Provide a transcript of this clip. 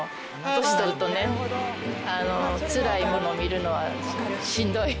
年を取るとね、つらいもの見るのは、しんどい。